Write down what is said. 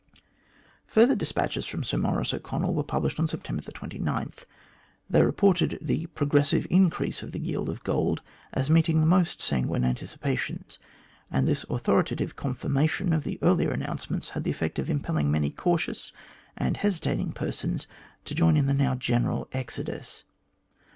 Further despatches from Sir Maurice O'Connell were published on September 29. They reported the " progressive increase of the yield of gold " as " meeting the most sanguine anticipations," and this authoritative confirmation of the earlier announcements had the effect of impelling many cautious and hesitating persons to join in the now general exodus.